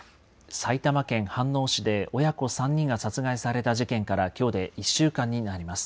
埼玉県飯能市で親子３人が殺害された事件から、きょうで１週間になります。